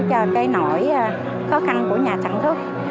cho cái nỗi khó khăn của nhà sản xuất